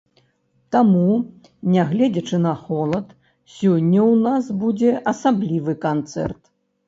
Таму, нягледзячы на холад, сёння ў нас будзе асаблівы канцэрт!